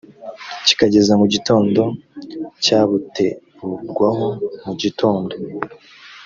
kikageza mu gitondo cyabuterurwaho mu gitondo